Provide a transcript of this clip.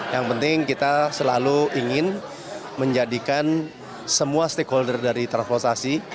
yang penting kita selalu ingin menjadikan semua stakeholder dari transportasi